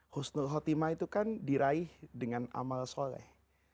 husnul khotimah itu kan diraih dengan amal soleh